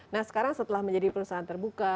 nah sekarang setelah menjadi perusahaan terbuka